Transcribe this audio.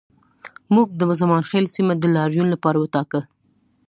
موږ د زمانخیل سیمه د لاریون لپاره وټاکه